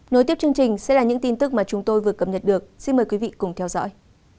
nối tiếp chương trình sẽ là những tin tức mà chúng tôi vừa cập nhật được xin mời quý vị cùng theo dõi